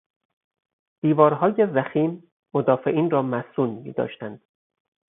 دیوارهای ضخیم مدافعین را مصون میداشتند.